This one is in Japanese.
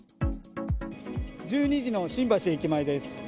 １２時の新橋駅前です。